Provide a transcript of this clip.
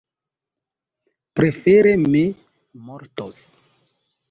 Prefere mi mortos!